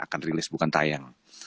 akan rilis bukan tayang